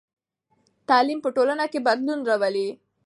تعلیم په ټولنه کې بدلون راولي.